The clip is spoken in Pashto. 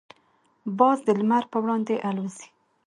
باز د لمر پر وړاندې الوزي.